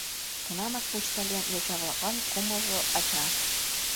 Тунамак почтальон, йоча-влаклан кумылзо ача.